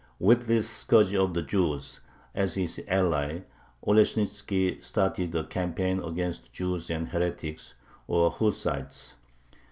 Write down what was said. With this "scourge of the Jews" as his ally Oleshnitzki started a campaign against Jews and heretics (or Hussites).